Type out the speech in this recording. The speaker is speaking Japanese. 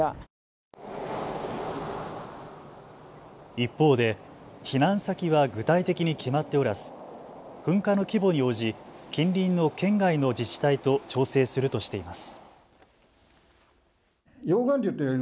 一方で避難先は具体的に決まっておらず噴火の規模に応じ、近隣の県外の自治体と調整するとしています。